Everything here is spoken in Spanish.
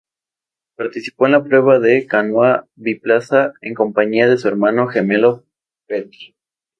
Participó en la prueba de canoa biplaza en compañía de su hermano gemelo Petr.